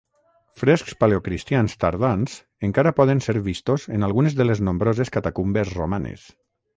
Frescs paleocristians tardans encara poden ser vistos en algunes de les nombroses catacumbes romanes.